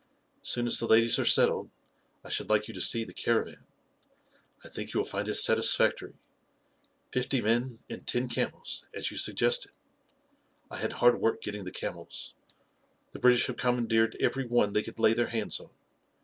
As soon as the ladies are settled, I should like you to see the caravan. I think you will find it 94 A KING IN BABYLON satisfactory; fifty men and ten camels, as you sug gested. I had hard work getting the camels. The British have commandeered every one they could lay their hands on.